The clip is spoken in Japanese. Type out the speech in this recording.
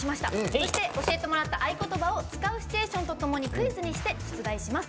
そして教えてもらったあいことばを使うシチュエーションとともにクイズにして出題します。